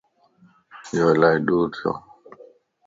يو الائي ڏور ڇو؟